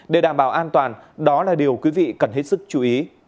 để đảm bảo an toàn đó là điều quý vị cần hết sức chú ý